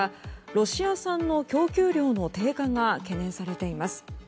ロシア産の供給量の低下が懸念されています。